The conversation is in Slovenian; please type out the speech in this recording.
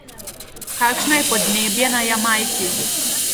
Kakšno je podnebje na Jamajki?